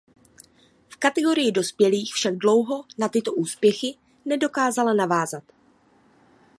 V kategorii dospělých však dlouho na tyto úspěchy nedokázala navázat.